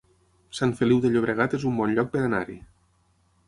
Sant Feliu de Llobregat es un bon lloc per anar-hi